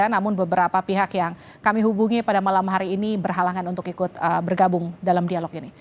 namun beberapa pihak yang kami hubungi pada malam hari ini berhalangan untuk ikut bergabung dalam dialog ini